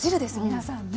皆さんね。